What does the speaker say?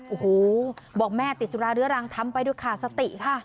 โอ้โหบอกแม่ติดสุราเรื้อรังทำไปด้วยขาดสติค่ะ